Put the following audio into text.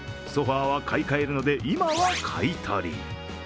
ソファーは買い替えるので今は買い取り。